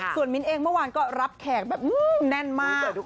ส่วนมิ้นท์เองเมื่อวานก็รับแขกแบบแน่นมาก